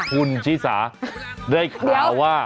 คุณชิสาได้ข่าวว่า